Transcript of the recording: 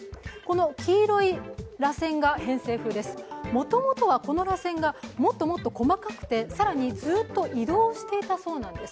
もともとはこのらせんがもっともっと細かくて、ずっと移動していたそうなんです。